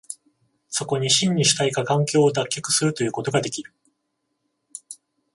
そこに真に主体が環境を脱却するということができる。